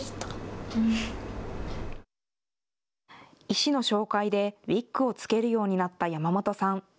医師の紹介でウイッグをつけるようになった山本さん。